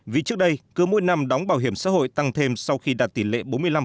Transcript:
vì trước đây cứ mỗi năm đóng bảo hiểm xã hội tăng thêm sau khi đạt tỷ lệ bốn mươi năm